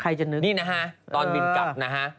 จะนึกนี่นะฮะตอนบินกลับนะฮะ